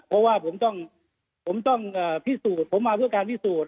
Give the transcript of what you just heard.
เพราะว่าผมต้องพิสูจน์ผมมาเพื่อการพิสูจน์